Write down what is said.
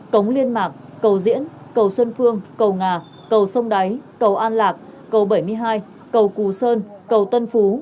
cống liên mạc cầu diễn cầu xuân phương cầu ngà cầu sông đáy cầu an lạc cầu bảy mươi hai cầu cù sơn cầu tân phú